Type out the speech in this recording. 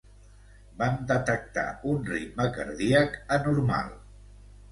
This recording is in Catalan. Vam detectar un ritme cardíac anormal.